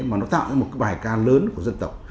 mà nó tạo ra một cái bài ca lớn của dân tộc